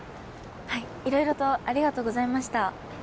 はいいろいろとありがとうございました。